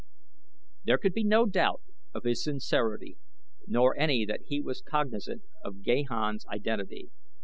There could be no doubt of his sincerity nor any that he was cognizant of Gahan's identity.